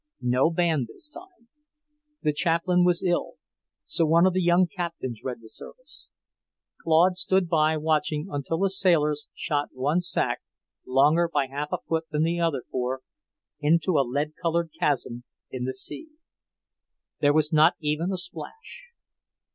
No band this time; the chaplain was ill, so one of the young captains read the service. Claude stood by watching until the sailors shot one sack, longer by half a foot than the other four, into a lead coloured chasm in the sea. There was not even a splash.